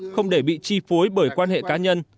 không để bị chi phối bởi quan hệ cá nhân